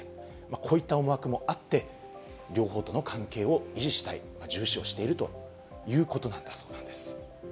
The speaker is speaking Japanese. こういった思惑もあって、両方との関係を維持したい、重視をしているということなんです。